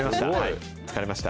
疲れました。